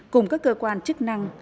cùng các cơ quan chức năng